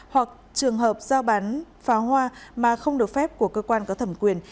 hoặc trường hợp giao bán pháo hoa mà không được phép của cơ quan có thẩm quyền